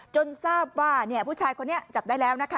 จนทราบว่าผู้ชายคนนี้จับได้แล้วนะคะ